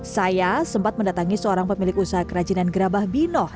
saya sempat mendatangi seorang pemilik usaha kerajinan gerabah binoh